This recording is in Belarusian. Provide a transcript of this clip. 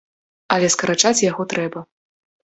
Але скарачаць яго трэба.